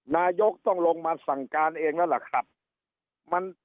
นายกต้องลงมาสั่งการเองแล้วล่ะครับ